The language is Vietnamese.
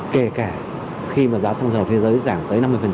kể cả khi mà giá xăng dầu thế giới giảm tới năm mươi